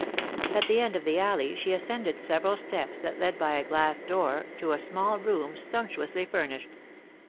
At the end of the alley she ascended several steps that led by a glass door to a small room sumptuously furnished.